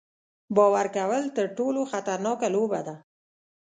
باور کول تر ټولو خطرناکه لوبه ده.